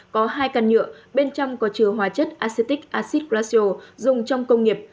có hai căn nhựa bên trong có chứa hóa chất acetic acid glacial dùng trong công nghiệp